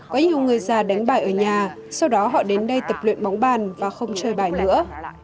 có nhiều người già đánh bài ở nhà sau đó họ đến đây tập luyện bóng bàn và không chơi bài nữa